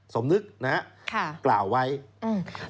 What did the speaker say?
สมนึกนะฮะกล่าวไว้อืมค่ะ